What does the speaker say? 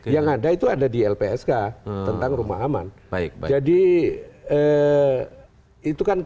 yang ada itu ada di lpsk tentang rumah aman